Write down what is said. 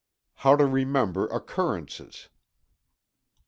HOW TO REMEMBER OCCURRENCES.